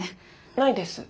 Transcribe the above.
ないです。